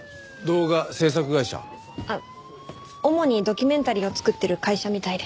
主にドキュメンタリーを作ってる会社みたいで。